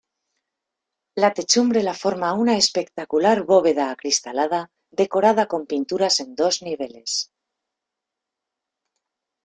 La techumbre la forma una espectacular bóveda acristalada, decorada con pinturas en dos niveles.